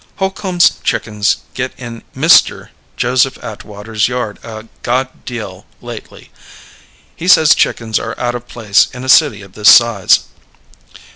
Holcombs chickens get in MR. Joseph Atwater's yard a god deal lately. He says chickens are out of place in a city of this size.